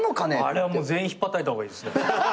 あれはもう全員ひっぱたいた方がいいです。